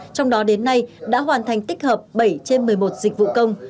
trong đó đến nay đã hoàn thành tích hợp bảy trên một mươi một dịch vụ công